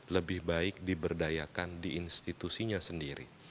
lebih baik diberdayakan di institusinya sendiri